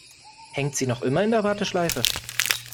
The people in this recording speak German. Hängt sie noch immer in der Warteschleife?